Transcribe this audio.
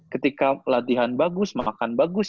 ketika latihan bagus makan bagus